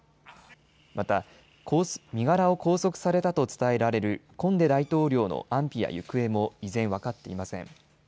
また身柄を拘束されたと伝えられるコンデ大統領の安否や行方も依然、分かっていません。